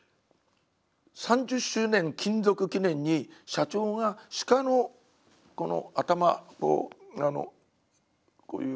３０周年勤続記念に社長が鹿のこの頭のこういう。